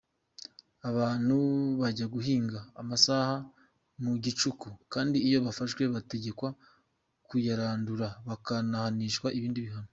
Abantu bajya guhinga amasaka mu gicuku, kandi iyo bafashwe bategekwa kuyarandura bakanahanishwa ibindi bihano.